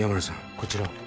こちらを